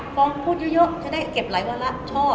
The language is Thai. พ่อพูดเยอะเก็บหลายวาระชอบ